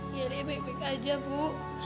iya lia baik baik aja bu